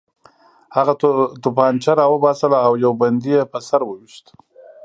هغه توپانچه راوباسله او یو بندي یې په سر وویشت